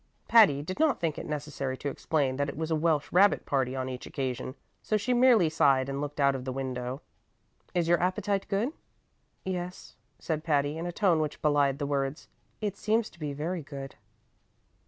Patty did not think it necessary to explain that it was a Welsh rabbit party on each occasion, so she merely sighed and looked out of the window. "Is your appetite good?" "Yes," said Patty, in a tone which belied the words; "it seems to be very good."